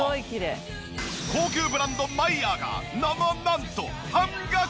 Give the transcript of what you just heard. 高級ブランドマイヤーがなななんと半額！